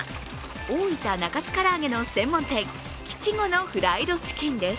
大分・中津からあげの専門店吉吾のフライドチキンです。